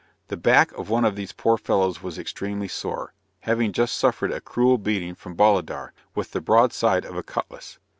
The back of one of these poor fellows was extremely sore, having just suffered a cruel beating from Bolidar, with the broad side of a cutlass.